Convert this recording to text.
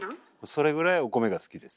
それぐらいお米が好きです。